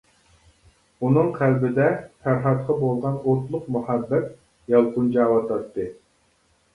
ئۇنىڭ قەلبىدە پەرھاتقا بولغان ئوتلۇق مۇھەببەت يالقۇنجاۋاتاتتى.